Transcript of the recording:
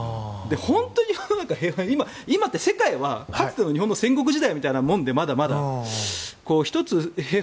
本当に今って世界はかつての日本の戦国時代みたいなもので。